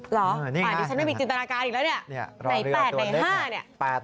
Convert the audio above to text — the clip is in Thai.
หรออ่ะดิฉันไม่มีจินตนาการอีกแล้วเนี่ยใน๘ใน๕เนี่ยรอเรือตัวเลข๘เนี่ย